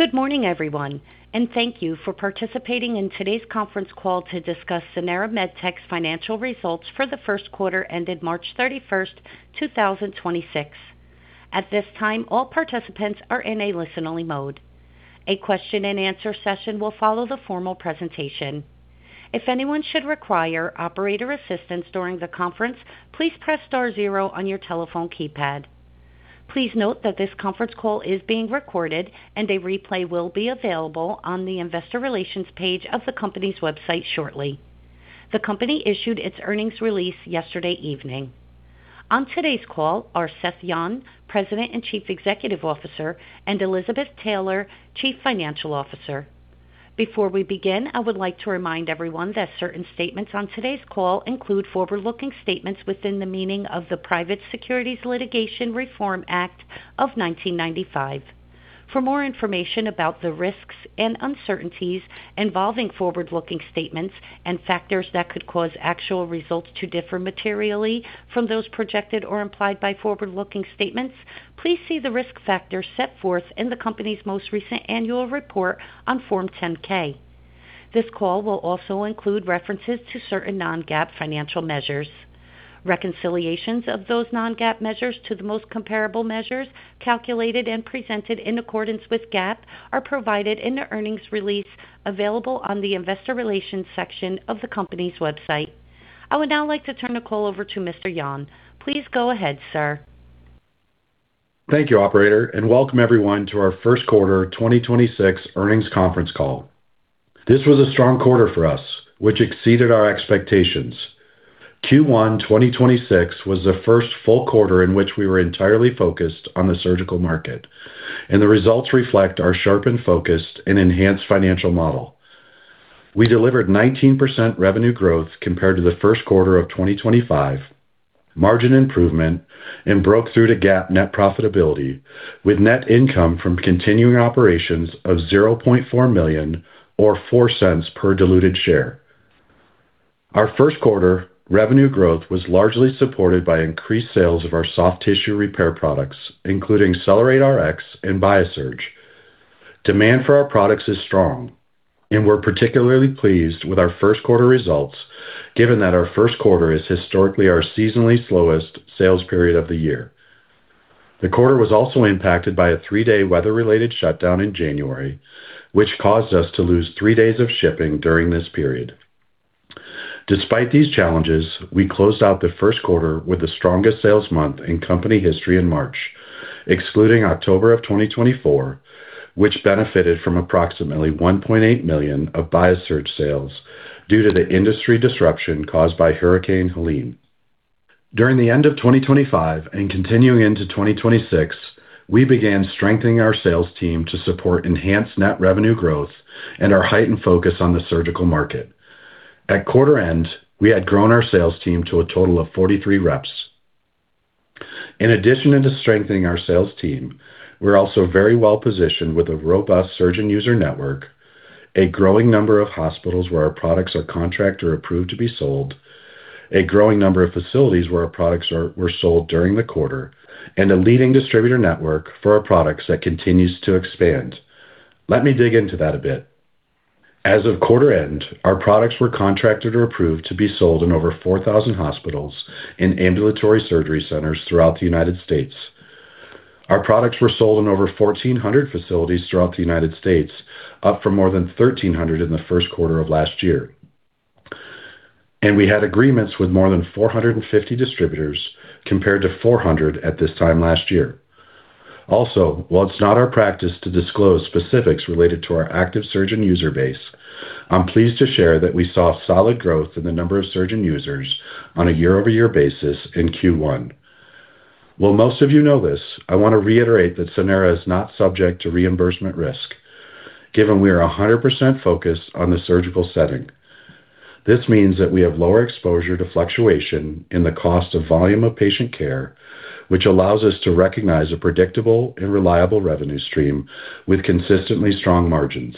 Good morning, everyone, and thank you for participating in today's conference call to discuss Sanara MedTech's financial results for the first quarter ended March 31st, 2026. At this time, all participants are in a listen-only mode. A question and answer session will follow the formal presentation. If anyone should require operator assistance during the conference, please press star zero on your telephone keypad. Please note that this conference call is being recorded, and a replay will be available on the investor relations page of the company's website shortly. The company issued its earnings release yesterday evening. On today's call are Seth Yon, President and Chief Executive Officer, and Elizabeth Taylor, Chief Financial Officer. Before we begin, I would like to remind everyone that certain statements on today's call include forward-looking statements within the meaning of the Private Securities Litigation Reform Act of 1995. For more information about the risks and uncertainties involving forward-looking statements and factors that could cause actual results to differ materially from those projected or implied by forward-looking statements, please see the risk factors set forth in the company's most recent annual report on Form 10-K. This call will also include references to certain non-GAAP financial measures. Reconciliations of those non-GAAP measures to the most comparable measures calculated and presented in accordance with GAAP are provided in the earnings release available on the investor relations section of the company's website. I would now like to turn the call over to Mr. Yon. Please go ahead, sir. Thank you, operator, and welcome everyone to our first quarter 2026 earnings conference call. This was a strong quarter for us, which exceeded our expectations. Q1 2026 was the first full quarter in which we were entirely focused on the surgical market, and the results reflect our sharpened focus and enhanced financial model. We delivered 19% revenue growth compared to the first quarter of 2025, margin improvement, and broke through to GAAP net profitability with net income from continuing operations of $0.4 million or $0.04 per diluted share. Our first quarter revenue growth was largely supported by increased sales of our soft tissue repair products, including CellerateRX and BIASURGE. Demand for our products is strong, and we're particularly pleased with our first quarter results, given that our first quarter is historically our seasonally slowest sales period of the year. The quarter was also impacted by a three-day weather-related shutdown in January, which caused us to lose three days of shipping during this period. Despite these challenges, we closed out the first quarter with the strongest sales month in company history in March, excluding October of 2024, which benefited from approximately $1.8 million of BIASURGE sales due to the industry disruption caused by Hurricane Helene. During the end of 2025 and continuing into 2026, we began strengthening our sales team to support enhanced net revenue growth and our heightened focus on the surgical market. At quarter end, we had grown our sales team to a total of 43 reps. In addition to strengthening our sales team, we're also very well positioned with a robust surgeon user network, a growing number of hospitals where our products are contracted or approved to be sold, a growing number of facilities where our products were sold during the quarter, and a leading distributor network for our products that continues to expand. Let me dig into that a bit. As of quarter end, our products were contracted or approved to be sold in over 4,000 hospitals and ambulatory surgery centers throughout the U.S. Our products were sold in over 1,400 facilities throughout the U.S., up from more than 1,300 in the first quarter of last year. We had agreements with more than 450 distributors compared to 400 at this time last year. While it's not our practice to disclose specifics related to our active surgeon user base, I'm pleased to share that we saw solid growth in the number of surgeon users on a year-over-year basis in Q1. While most of you know this, I want to reiterate that Sanara is not subject to reimbursement risk, given we are a 100% focused on the surgical setting. This means that we have lower exposure to fluctuation in the cost of volume of patient care, which allows us to recognize a predictable and reliable revenue stream with consistently strong margins.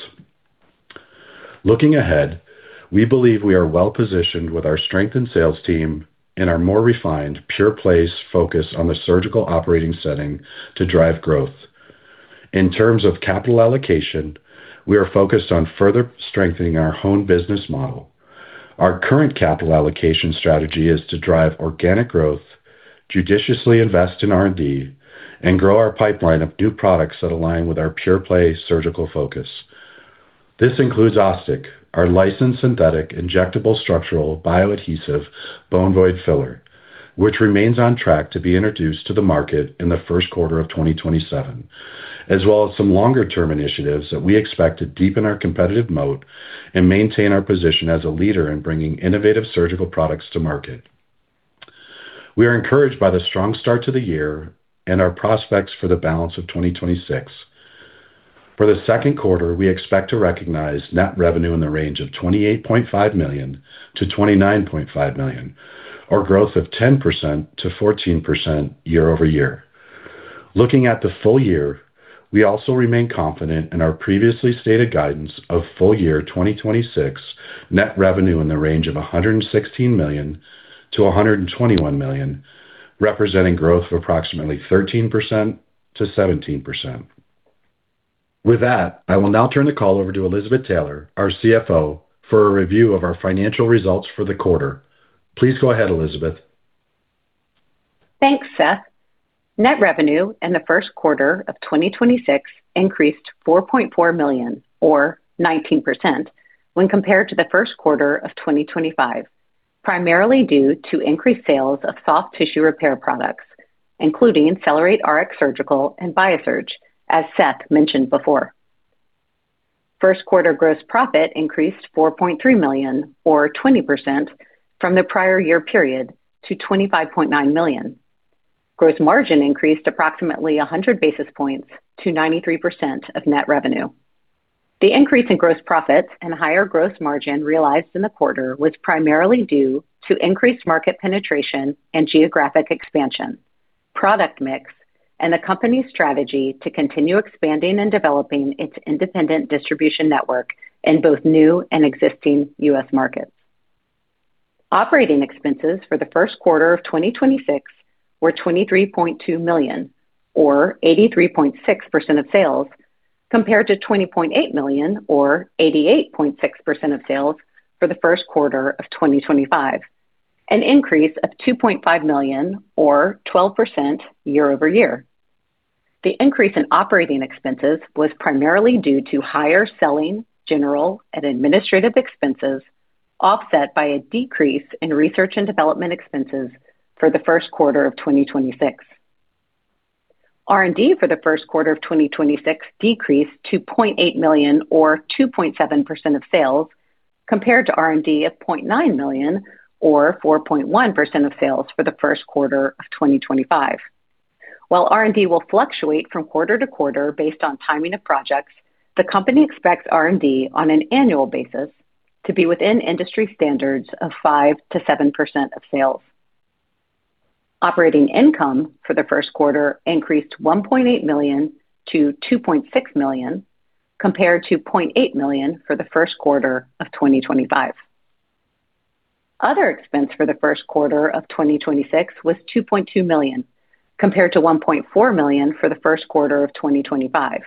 Looking ahead, we believe we are well-positioned with our strengthened sales team and our more refined, pure-place focus on the surgical operating setting to drive growth. In terms of capital allocation, we are focused on further strengthening our home business model. Our current capital allocation strategy is to drive organic growth, judiciously invest in R&D, and grow our pipeline of new products that align with our pure-play surgical focus. This includes OsStic, our licensed synthetic injectable structural bioadhesive bone void filler, which remains on track to be introduced to the market in the first quarter of 2027, as well as some longer-term initiatives that we expect to deepen our competitive moat and maintain our position as a leader in bringing innovative surgical products to market. We are encouraged by the strong start to the year and our prospects for the balance of 2026. For the second quarter, we expect to recognize net revenue in the range of $28.5 million-$29.5 million, or growth of 10%-14% year-over-year. Looking at the full year, we also remain confident in our previously stated guidance of full year 2026 net revenue in the range of $116 million-$121 million, representing growth of approximately 13%-17%. With that, I will now turn the call over to Elizabeth Taylor, our CFO, for a review of our financial results for the quarter. Please go ahead, Elizabeth. Thanks, Seth. Net revenue in the first quarter of 2026 increased $4.4 million, or 19% when compared to the first quarter of 2025, primarily due to increased sales of soft tissue repair products, including CellerateRX Surgical and BIASURGE, as Seth mentioned before. First quarter gross profit increased $4.3 million, or 20% from the prior year period to $25.9 million. Gross margin increased approximately 100 basis points to 93% of net revenue. The increase in gross profits and higher gross margin realized in the quarter was primarily due to increased market penetration and geographic expansion, product mix, and the company's strategy to continue expanding and developing its independent distribution network in both new and existing U.S. markets. Operating expenses for the first quarter of 2026 were $23.2 million, or 83.6% of sales, compared to $20.8 million, or 88.6% of sales for the first quarter of 2025. An increase of $2.5 million or 12% year-over-year. The increase in operating expenses was primarily due to higher selling, general, and administrative expenses, offset by a decrease in research and development expenses for the first quarter of 2026. R&D for the first quarter of 2026 decreased to $0.8 million, or 2.7% of sales, compared to R&D of $0.9 million, or 4.1% of sales for the first quarter of 2025. While R&D will fluctuate from quarter to quarter based on timing of projects, the company expects R&D on an annual basis to be within industry standards of 5%-7% of sales. Operating income for the first quarter increased $1.8 million to $2.6 million, compared to $0.8 million for the first quarter of 2025. Other expense for the first quarter of 2026 was $2.2 million, compared to $1.4 million for the first quarter of 2025.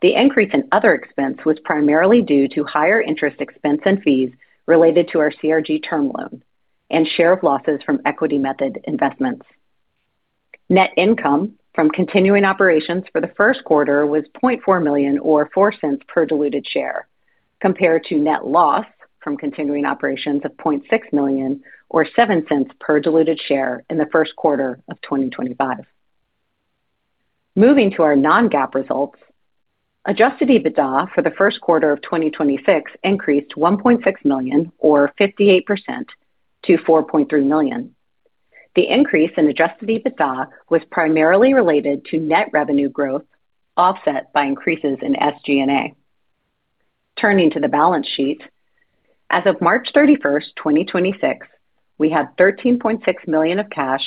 The increase in other expense was primarily due to higher interest expense and fees related to our CRG term loan and share of losses from equity method investments. Net income from continuing operations for the first quarter was $0.4 million or $0.04 per diluted share, compared to net loss from continuing operations of $0.6 million or $0.07 per diluted share in the first quarter of 2025. Moving to our non-GAAP results, adjusted EBITDA for the first quarter of 2026 increased $1.6 million or 58% to $4.3 million. The increase in adjusted EBITDA was primarily related to net revenue growth, offset by increases in SG&A. Turning to the balance sheet. As of March 31st, 2026, we had $13.6 million of cash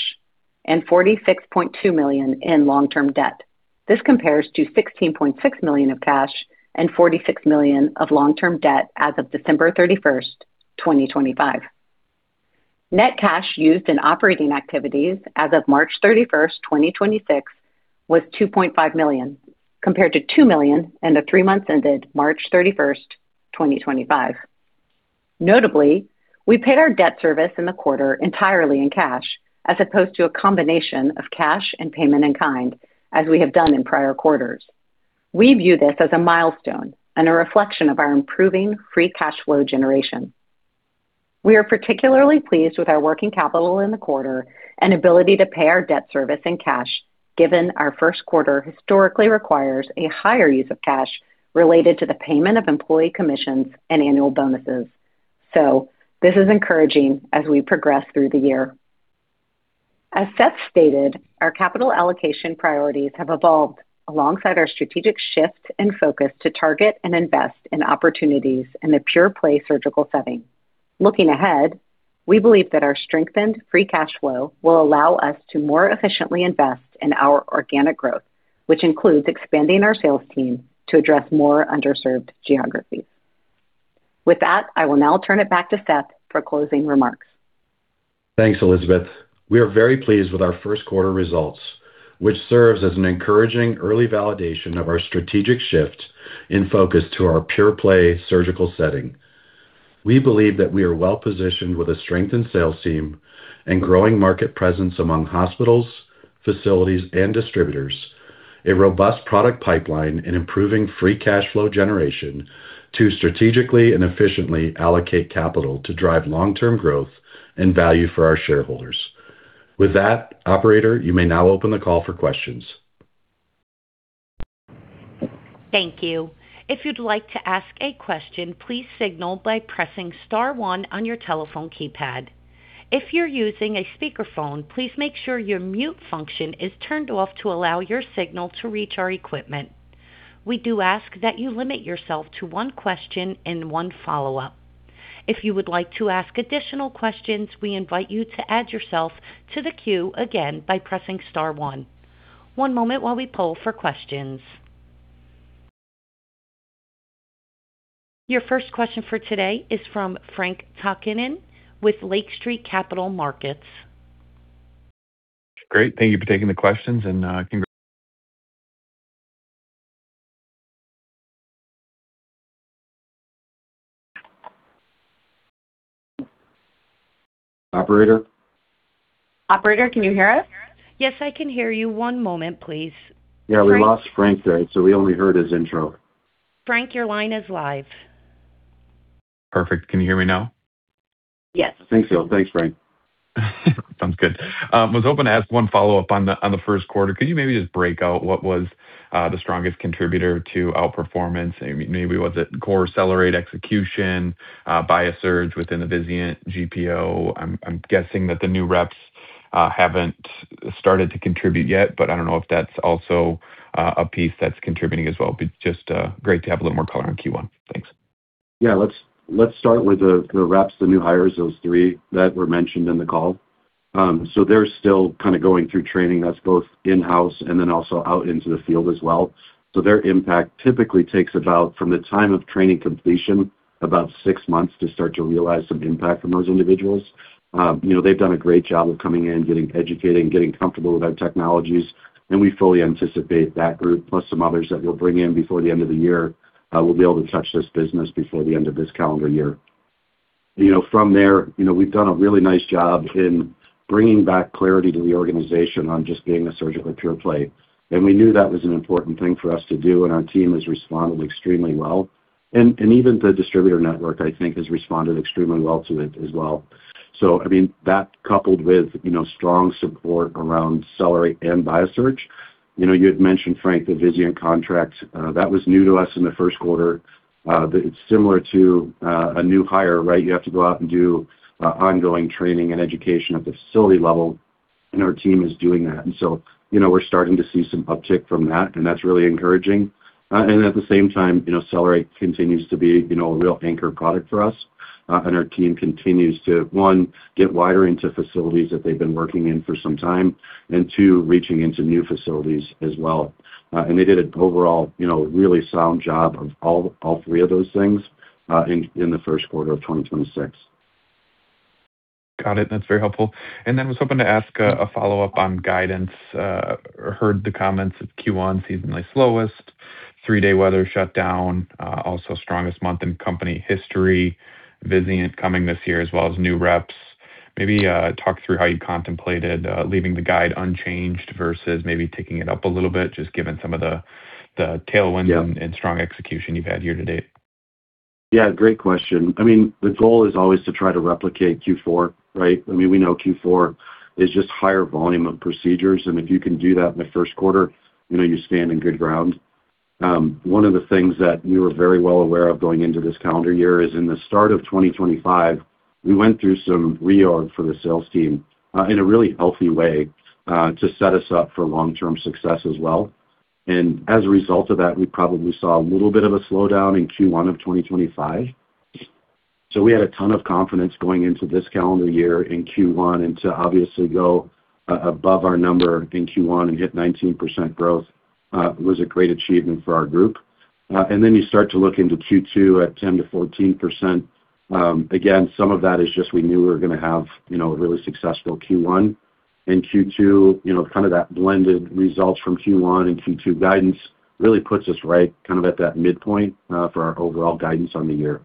and $46.2 million in long-term debt. This compares to $16.6 million of cash and $46 million of long-term debt as of December 31st, 2025. Net cash used in operating activities as of March 31, 2026 was $2.5 million, compared to $2 million in the three months ended March 31, 2025. Notably, we paid our debt service in the quarter entirely in cash as opposed to a combination of cash and payment in kind as we have done in prior quarters. We view this as a milestone and a reflection of our improving free cash flow generation. We are particularly pleased with our working capital in the quarter and ability to pay our debt service in cash, given our first quarter historically requires a higher use of cash related to the payment of employee commissions and annual bonuses. This is encouraging as we progress through the year. As Seth stated, our capital allocation priorities have evolved alongside our strategic shift and focus to target and invest in opportunities in the pure-play surgical setting. Looking ahead, we believe that our strengthened free cash flow will allow us to more efficiently invest in our organic growth, which includes expanding our sales team to address more underserved geographies. With that, I will now turn it back to Seth for closing remarks. Thanks, Elizabeth. We are very pleased with our first quarter results, which serves as an encouraging early validation of our strategic shift in focus to our pure-play surgical setting. We believe that we are well-positioned with a strengthened sales team and growing market presence among hospitals, facilities, and distributors, a robust product pipeline, and improving free cash flow generation to strategically and efficiently allocate capital to drive long-term growth and value for our shareholders. With that, operator, you may now open the call for questions. Thank you. If you'd like to ask a question, please signal by pressing star one on your telephone keypad. If you're using a speakerphone, please make sure your mute function is turned off to allow your signal to reach our equipment. We do ask that you limit yourself to one question and one follow-up. If you would like to ask additional questions, we invite you to add yourself to the queue again by pressing star one. One moment while we poll for questions Your first question for today is from Frank Takkinen with Lake Street Capital Markets. Great. Thank you for taking the questions, and Operator? Operator, can you hear us? Yes, I can hear you. One moment, please. Yeah, we lost Frank Takkinen there. We only heard his intro. Frank, your line is live. Perfect. Can you hear me now? Yes. Thanks. Thanks, Frank. Sounds good. Was hoping to ask one follow-up on the first quarter. Could you maybe just break out what was the strongest contributor to outperformance? Maybe was it core CellerateRX execution, BIASURGE within the Vizient GPO? I'm guessing that the new reps haven't started to contribute yet, but I don't know if that's also a piece that's contributing as well. It'd be just great to have a little more color on Q1. Thanks. Yeah, let's start with the reps, the new hires, those three that were mentioned in the call. They're still kinda going through training. That's both in-house and then also out into the field as well. Their impact typically takes about, from the time of training completion, about six months to start to realize some impact from those individuals. You know, they've done a great job of coming in, getting educated, and getting comfortable with our technologies. We fully anticipate that group, plus some others that we'll bring in before the end of the year, will be able to touch this business before the end of this calendar year. You know, from there, you know, we've done a really nice job in bringing back clarity to the organization on just being a surgical pure play. We knew that was an important thing for us to do, and our team has responded extremely well. Even the distributor network, I think, has responded extremely well to it as well. I mean, that coupled with, you know, strong support around CellerateRX and BIASURGE. You know, you had mentioned, Frank, the Vizient contract. That was new to us in the first quarter. That it's similar to a new hire, right? You have to go out and do ongoing training and education at the facility level, our team is doing that. You know, we're starting to see some uptick from that, and that's really encouraging. At the same time, you know, CellerateRX continues to be, you know, a real anchor product for us. Our team continues to, one, get wider into facilities that they've been working in for some time, and two, reaching into new facilities as well. They did an overall, you know, really sound job of all three of those things in the 1st quarter of 2026. Got it. That's very helpful. Was hoping to ask a follow-up on guidance. Heard the comments of Q1 seasonally slowest, three-day weather shutdown, also strongest month in company history. Vizient coming this year as well as new reps. Maybe talk through how you contemplated leaving the guide unchanged versus maybe ticking it up a little bit, just given some of the tailwinds. Yeah. Strong execution you've had year to date. Yeah, great question. I mean, the goal is always to try to replicate Q4, right? I mean, we know Q4 is just higher volume of procedures, and if you can do that in the first quarter, you know you stand in good ground. One of the things that we were very well aware of going into this calendar year is in the start of 2025, we went through some reorg for the sales team in a really healthy way to set us up for long-term success as well. As a result of that, we probably saw a little bit of a slowdown in Q1 of 2025. We had a ton of confidence going into this calendar year in Q1 and to obviously go above our number in Q1 and hit 19% growth was a great achievement for our group. You start to look into Q2 at 10%-14%. Again, some of that is just we knew we were gonna have, you know, a really successful Q1. In Q2, you know, kind of that blended results from Q1 and Q2 guidance really puts us right kind of at that midpoint for our overall guidance on the year.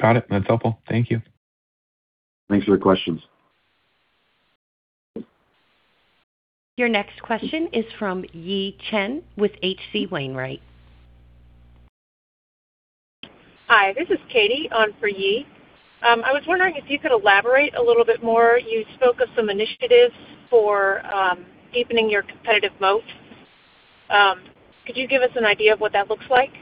Got it. That's helpful. Thank you. Thanks for the questions. Your next question is from Yi Chen with H.C. Wainwright. Hi, this is Katie on for Yi. I was wondering if you could elaborate a little bit more. You spoke of some initiatives for deepening your competitive moat. Could you give us an idea of what that looks like?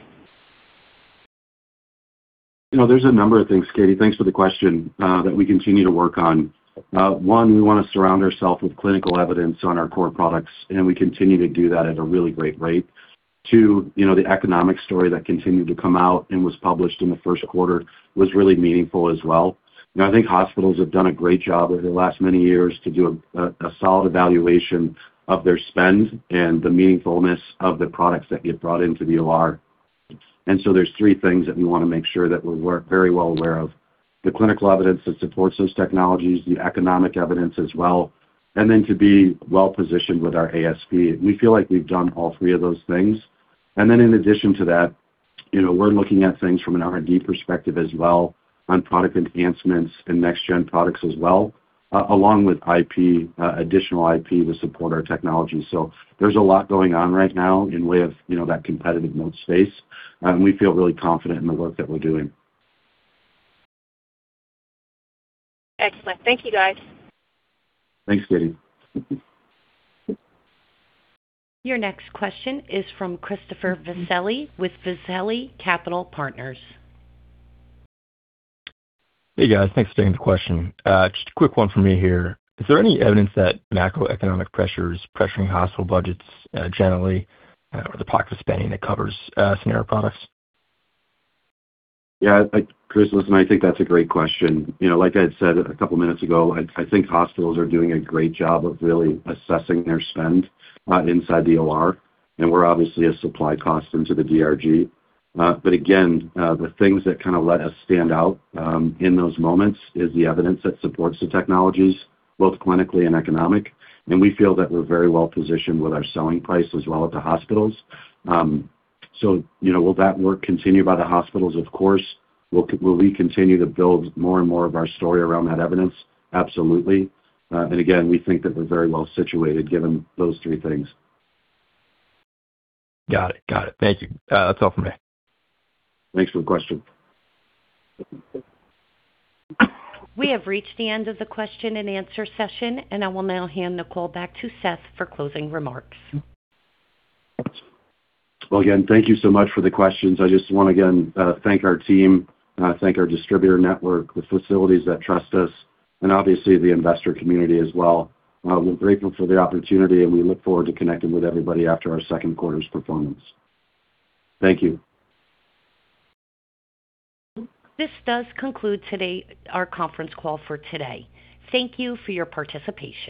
You know, there's a number of things, Katie, thanks for the question, that we continue to work on. One, we wanna surround ourselves with clinical evidence on our core products, and we continue to do that at a really great rate. Two, you know, the economic story that continued to come out and was published in the first quarter was really meaningful as well. I think hospitals have done a great job over the last many years to do a solid evaluation of their spend and the meaningfulness of the products that get brought into the OR. There's three things that we wanna make sure that we're very well aware of, the clinical evidence that supports those technologies, the economic evidence as well, and then to be well-positioned with our ASP. We feel like we've done all three of those things. Then in addition to that, you know, we're looking at things from an R&D perspective as well on product enhancements and next gen products as well, along with IP, additional IP to support our technology. There's a lot going on right now in way of, you know, that competitive moat space. We feel really confident in the work that we're doing. Excellent. Thank you, guys. Thanks, Katie. Your next question is from Christopher Viselli with Viselli Capital Partners. Hey, guys. Thanks for taking the question. Just a quick one from me here. Is there any evidence that macroeconomic pressures pressuring hospital budgets, generally, or the pockets of spending that covers Sanara products? Yeah, Chris, listen, I think that's a great question. You know, like I said a couple of minutes ago, I think hospitals are doing a great job of really assessing their spend inside the OR. We're obviously a supply cost into the DRG. Again, the things that kinda let us stand out in those moments is the evidence that supports the technologies, both clinically and economic. We feel that we're very well-positioned with our selling price as well at the hospitals. You know, will that work continue by the hospitals? Of course. Will we continue to build more and more of our story around that evidence? Absolutely. Again, we think that we're very well situated given those three things. Got it. Got it. Thank you. That's all from me. Thanks for the question. We have reached the end of the question and answer session, and I will now hand the call back to Seth for closing remarks. Well, again, thank you so much for the questions. I just wanna, again, thank our team, thank our distributor network, the facilities that trust us, and obviously the investor community as well. We're grateful for the opportunity, and we look forward to connecting with everybody after our second quarter's performance. Thank you. This does conclude our conference call for today. Thank you for your participation.